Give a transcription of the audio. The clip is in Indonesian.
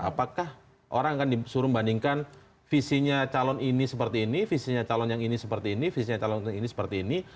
apakah orang akan disuruh membandingkan visinya calon ini seperti ini visinya calon yang ini seperti ini visinya calon ini seperti ini